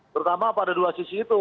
terutama pada dua sisi itu